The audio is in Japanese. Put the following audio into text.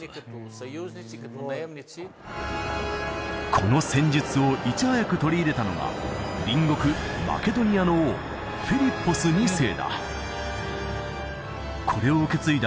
この戦術をいち早く取り入れたのが隣国マケドニアの王フィリッポス２世だこれを受け継いだ